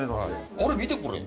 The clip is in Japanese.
あれ見てこれ。